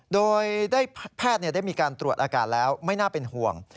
โดยแพทย์ได้มีการตรวจอาการแล้วไม่น่าเป็นห่วง